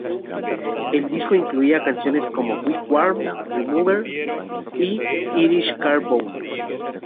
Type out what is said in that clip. El disco incluía canciones como "Weak Warm", "Remover" y "Irish Car Bomb".